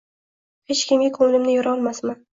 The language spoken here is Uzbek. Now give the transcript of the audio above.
Hech kimga ko’nglimni yora olmasman…